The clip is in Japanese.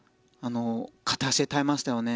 片足で耐えましたよね。